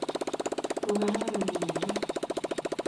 mokararan inrndet